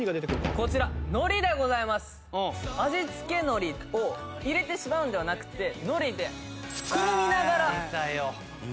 味付けのりを入れてしまうんではなくてのりでくるみながら食べる。